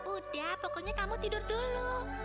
udah pokoknya kamu tidur dulu